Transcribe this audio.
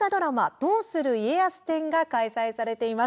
「どうする家康」展が開催されています。